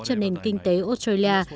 cho nền kinh tế australia